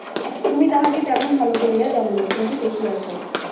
তুমি তাহাকে তেমন ভালো করিয়া জান না, কিন্তু দেখিয়াছ।